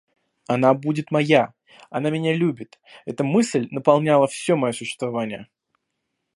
Она будет моя! она меня любит! Эта мысль наполняла все мое существование.